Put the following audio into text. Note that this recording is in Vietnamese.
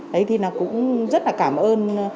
đấy thì cũng rất là cảm ơn